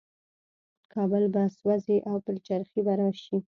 کابل به سوځي او پلچرخي به راشي.